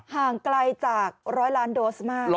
ห่างไกลจาก๑๐๐ล้านโดสมาก